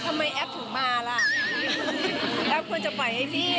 กดอย่างวัยจริงเห็นพี่แอนทองผสมเจ้าหญิงแห่งโมงการบันเทิงไทยวัยที่สุดค่ะ